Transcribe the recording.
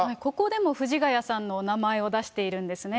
ここでも藤ヶ谷さんのお名前を出しているんですね。